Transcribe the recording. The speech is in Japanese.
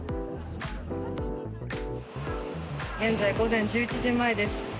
現在午前１１時前です。